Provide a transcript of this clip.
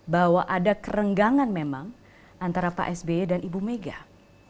bahwa ada kerenggangan memang antara pak sby dan ibu mega